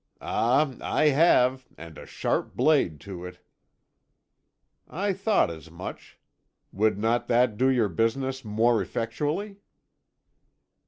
"Ah, I have, and a sharp blade to it." "I thought as much. Would not that do your business more effectually?"